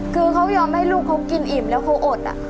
คือเขายอมให้ลูกเขากินอิ่มแล้วเขาอด